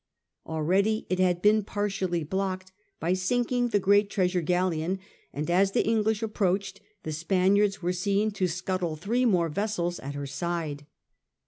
Already it had been partially blocked by sinking the great treasure galleon, and as the English approached, the Spaniards were seen to scuttle three more vessels at her side.